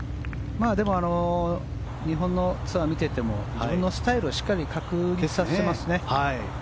でも日本のツアーを見ていても自分のスタイルをしっかり確立させていますね。